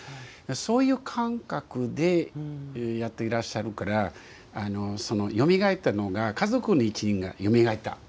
そういう感覚でやっていらっしゃるからよみがえったのが家族の一員がよみがえった。